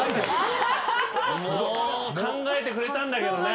考えてくれたんだけどね。